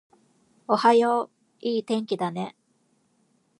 おはよう、いい天気だね